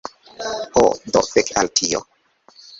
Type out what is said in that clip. Ho, do fek al tio